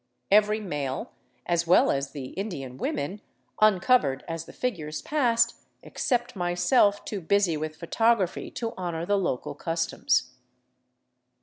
Every male, as well as the Indian women, uncovered as the figures passed — except myself, too busy with photography to honor the local customs.